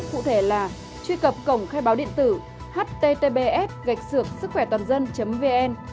phụ thể là truy cập cổng khai báo điện tử http sưckhoẻtoàndân vn